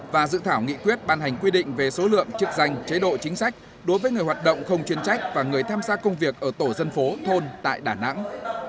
và dự thảo nghị quyết ban hành quy định về số lượng chức danh chế độ chính sách đối với người hoạt động không chuyên trách và người tham gia công việc ở tổ dân phố thôn tại đà nẵng